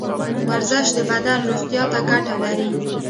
ورزش د بدن روغتیا ته ګټه لري.